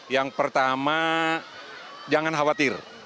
yang pertama jangan khawatir